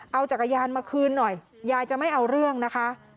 เอาจักรยานมาคืนหน่อยยายจะไม่เอาเรื่องนะคะ